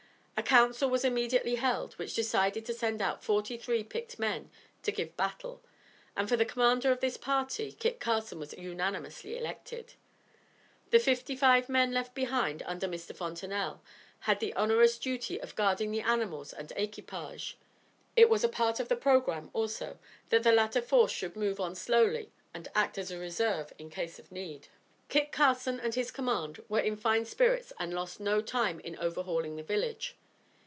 A council was immediately held which decided to send out forty three picked men to give battle; and, for the commander of this party, Kit Carson was unanimously elected. The fifty five men left behind under Mr. Fontenelle had the onerous duty of guarding the animals and equipage. It was a part of the programme, also, that the latter force should move on slowly and act as a reserve in case of need. Kit Carson and his command were in fine spirits and lost no time in overhauling the village.